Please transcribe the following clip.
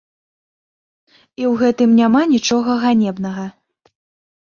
І ў гэтым няма нічога ганебнага.